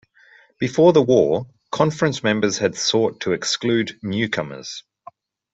Before the war, conference members had sought to exclude newcomers.